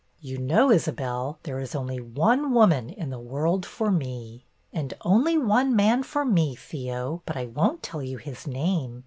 You know, Isabelle, there is only one woman in the world for me." '' And only one man for me, Theo, — but I won't tell you his name.